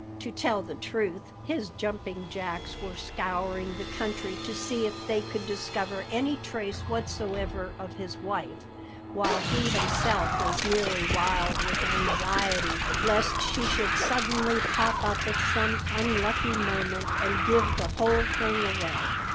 To tell the truth, his jumping jacks were scouring the country to see if they could discover any trace whatsoever of his wife, while he himself was nearly wild with anxiety lest she should suddenly pop up at some unlucky moment and give the whole thing away.